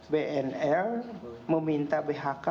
bnl meminta bhk